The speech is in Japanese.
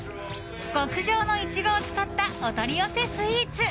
極上のイチゴを使ったお取り寄せスイーツ。